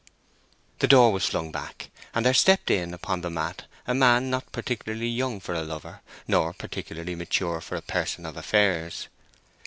The door was flung back, and there stepped in upon the mat a man not particularly young for a lover, nor particularly mature for a person of affairs.